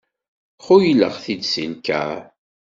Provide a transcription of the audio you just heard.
Xuyleɣ-t-id si lkar.